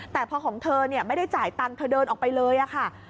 แต่พอของเธอไม่ได้จ่ายตังค์เธอเดินออกไปเลยค่ะ